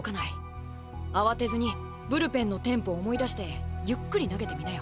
慌てずにブルペンのテンポを思い出してゆっくり投げてみなよ。